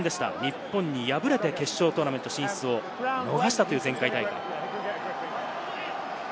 日本に敗れて、決勝トーナメント進出を逃したという前回大会。